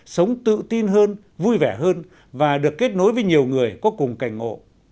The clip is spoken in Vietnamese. sống tự tin hơn vui vẻ hơn và được kết nối với nhiều người có cùng cảnh ngộ